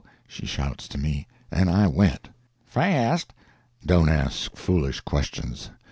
she shouts to me—and I went." "Fast?" "Don't ask foolish questions.